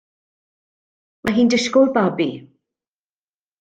Mae hi'n disgwyl babi.